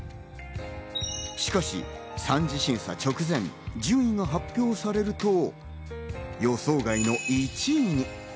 しかし三次審査直前、順位が発表されると予想外の１位に。